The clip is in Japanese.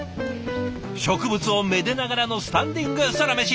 植物をめでながらのスタンディングソラメシ。